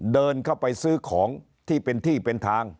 เดินเข้าไปซื้อของที่เป็นที่เป็นทาง